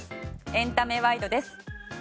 エンタメワイドです。